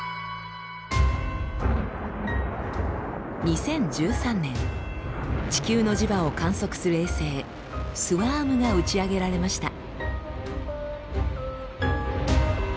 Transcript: これは２０１３年地球の磁場を観測する衛星ＳＷＡＲＭが打ち上げられました。